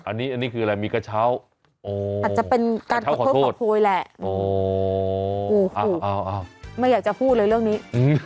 อันนี้คืออะไรมีกระเช้าอาจจะเป็นการขอโทษขอโพยแหละโอ้โหไม่อยากจะพูดเลยเรื่องนี้